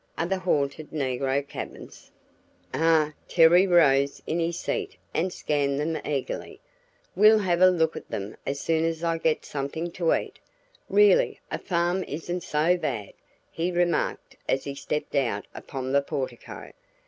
"Are the haunted negro cabins." "Ah!" Terry rose in his seat and scanned them eagerly. "We'll have a look at them as soon as I get something to eat. Really, a farm isn't so bad," he remarked as he stepped out upon the portico.